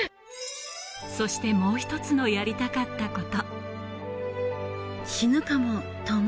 そしてもう一つのやりたかったこと。